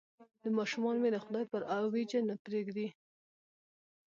ماشومان مې د خدای پر اوېجه نه پرېږدي.